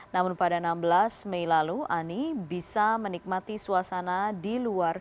namun pada enam belas mei lalu ani bisa menikmati suasana di luar